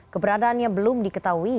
keberadaannya belum diketahui